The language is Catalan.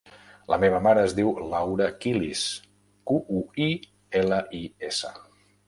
La meva mare es diu Laura Quilis: cu, u, i, ela, i, essa.